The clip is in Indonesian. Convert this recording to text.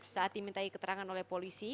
saat dimintai keterangan oleh polisi